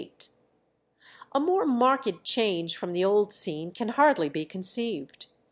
A more marked change from the old scene can hardly be conceived.